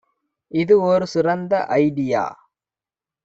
இது ஒரு சிறந்த ஐடியா